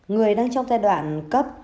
người đang trong giai đoạn cấp